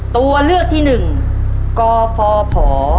ตัวเลือกที่หนึ่งกฟภ